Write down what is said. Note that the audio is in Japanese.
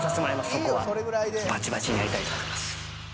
そこはバチバチにやりたいと思います